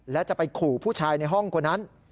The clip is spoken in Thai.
และจะไปขู่ผู้ชายในห้องคนนั้น